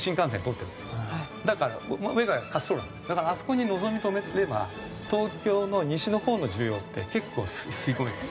だからあそこにのぞみ止めれば東京の西のほうの需要って結構吸い込めるんです。